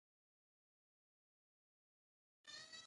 چې د هوايي ميدان د سړک پر غاړه جوړ سوي وو.